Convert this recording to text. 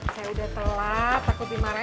saya udah telat aku dimarahi